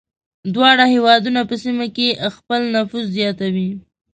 دواړه هېوادونه په سیمه کې خپل نفوذ زیاتوي.